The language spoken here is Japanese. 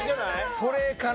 それかな？